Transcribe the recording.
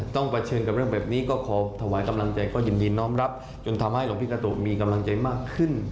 เผชิญกับเรื่องแบบนี้ก็ขอถวายกำลังใจก็ยินดีน้องรับจนทำให้หลวงพี่กาตุมีกำลังใจมากขึ้น